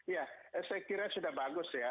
ya saya kira sudah bagus ya